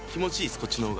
こっちの方が。